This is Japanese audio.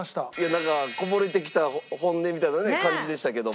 なんかこぼれてきた本音みたいな感じでしたけども。